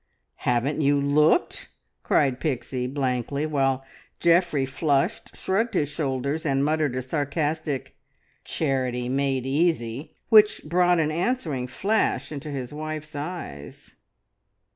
"Haven't you looked?" cried Pixie blankly, while Geoffrey flushed, shrugged his shoulders, and muttered a sarcastic "Charity made easy!" which brought an answering flash into his wife's eyes.